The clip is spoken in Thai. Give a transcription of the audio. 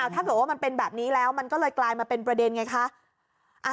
ถ้าเกิดว่ามันเป็นแบบนี้แล้วมันก็เลยกลายมาเป็นประเด็นไงคะ